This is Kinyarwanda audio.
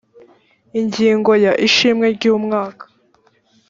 ingingo ya ishimwe ry umwaka